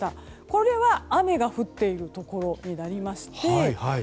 これは雨が降っているところになりまして。